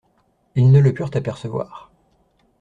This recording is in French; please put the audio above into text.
Ils ne le purent apercevoir.